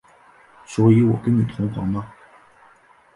所以我跟你同房吗？